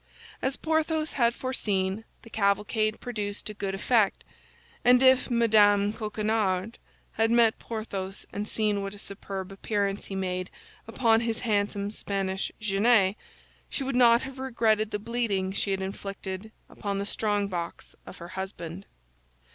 As Porthos had foreseen, the cavalcade produced a good effect; and if Mme. Coquenard had met Porthos and seen what a superb appearance he made upon his handsome Spanish genet, she would not have regretted the bleeding she had inflicted upon the strongbox of her husband.